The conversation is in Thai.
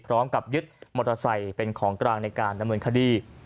พร้อมกับยึดมอเตอร์ไซค์เป็นของกลางในการดำเนินคดี